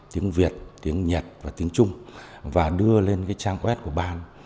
tiếng việt tiếng nhật và tiếng trung và đưa lên cái trang web của ban